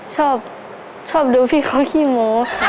ชอบชอบดูพี่เขาขี้โม